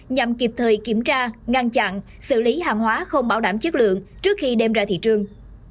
nhằm kịp thời kiểm tra ngăn chặn xử lý hàng hóa không bảo đảm chất lượng trước khi đem ra thị trường